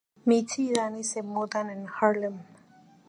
Misty y Danny se mudan en Harlem.